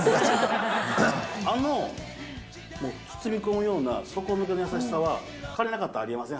あの包み込むような底抜けの優しさは金なかったらありえません。